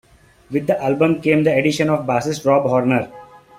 With the album came the addition of bassist Rob Horner.